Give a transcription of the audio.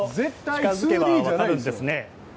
近づけば分かるんですね。